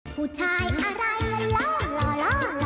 หูชายอะไรลอลอลอลอลอ